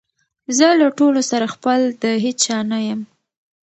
زه له ټولو سره خپل د هیچا نه یم